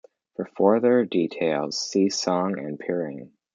For further details see Song and Perrig.